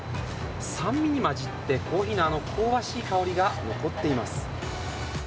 酸味に混じってコーヒーの香ばしい香りが残っています。